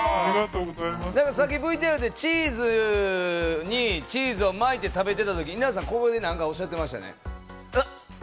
さっきＶＴＲでチーズにチーズを巻いて食べてた時になぜかおっしゃってましたよね。